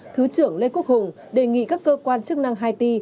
thứ trưởng lê quốc hùng đề nghị các cơ quan chức năng haiti